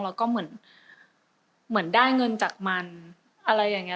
แล้วก็เหมือนเหมือนได้เงินจากมันอะไรอย่างนี้